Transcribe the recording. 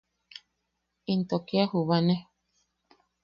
¡Into kia jubane!